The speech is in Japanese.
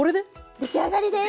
出来上がりです！